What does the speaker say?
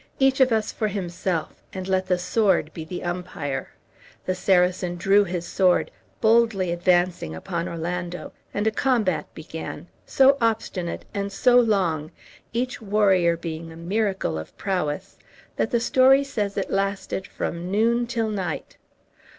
Each of us for himself, and let the sword be umpire." The Saracen drew his sword, boldly advancing upon Orlando, and a combat began, so obstinate and so long, each warrior being a miracle of prowess, that the story says it lasted from noon till night.